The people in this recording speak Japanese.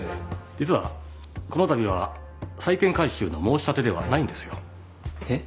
実はこの度は債権回収の申し立てではないんですよ。えっ？